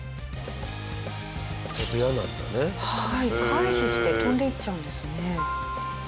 回避して飛んでいっちゃうんですね。